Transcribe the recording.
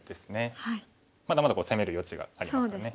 まだまだ攻める余地がありますからね。